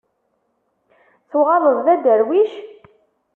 Tuɣaleḍ d aderwic?